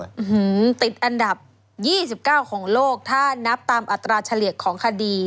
ติดอันดับ๒๙ของโลกถ้านับตามอัตราเฉลี่ยของคดี